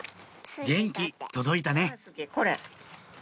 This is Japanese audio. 元気届いたね